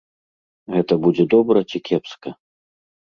Гэта будзе добра ці кепска?